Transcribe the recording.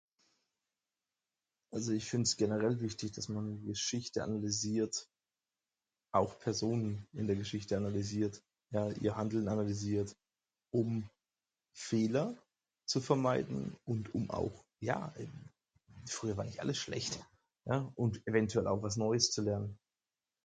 Also ich finds genrell wichtig, dass man Geschichte analysiert, auch Personen in der Geschichte analysiert. Ja Ihr Handeln analysiert. Um Fehler zu vermeiden und um auch Ja ehm, früher war nicht alles schlecht, ja und eventuell auch was neues zu lernen.